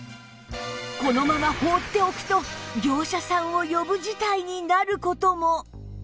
このまま放っておくと業者さんを呼ぶ事態になる事も